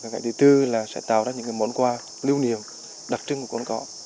cái thứ tư là sẽ tạo ra những món quà lưu niềm đặc trưng của cồn cỏ